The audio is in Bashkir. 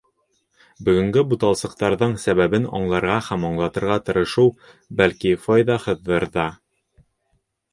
Бөгөнгө буталсыҡтарҙың сәбәбен аңларға һәм аңлатырға тырышыу, бәлки, файҙаһыҙҙыр ҙа.